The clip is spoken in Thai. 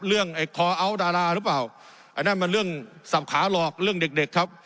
เรื่องไอ้รึเปล่าอันนั้นมันเรื่องสับขาหลอกเรื่องเด็กเด็กครับ